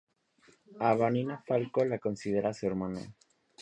A Vanina Falco la considera su hermana.